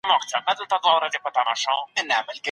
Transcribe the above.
که خپله ژبه ونه ساتو نو کلتور کمزوری کېږي.